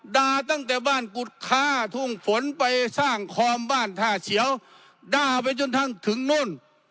ตั้งแต่บ้านกุฎค่าทุ่งฝนไปสร้างคอมบ้านท่าเฉียวด้าไปจนทั้งถึงนู่น